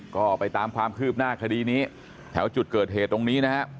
ก็ไปตามความคืบหน้าคดีนี้แถวจุดเกิดเหตุตรงนี้นะครับ